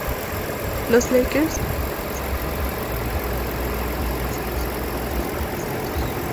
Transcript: Los Lakers reaccionaron en el último periodo, basando su juego en sus hombres altos.